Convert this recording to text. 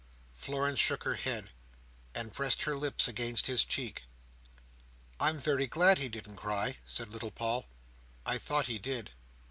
Florence shook her head, and pressed her lips against his cheek. "I'm very glad he didn't cry," said little Paul. "I thought he did.